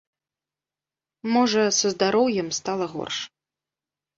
Можа, са здароўем стала горш.